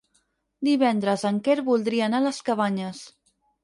Divendres en Quer voldria anar a les Cabanyes.